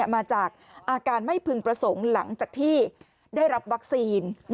มาจากอาการไม่พึงประสงค์หลังจากที่ได้รับวัคซีน